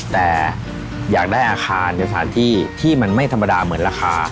แต่อยากได้อาคารในสถานที่ที่มันไม่ธรรมดาเหมือนราคา